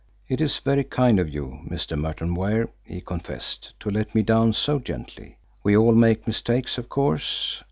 "It is very kind of you, Mr. Merton Ware," he confessed, "to let me down so gently. We all make mistakes, of course.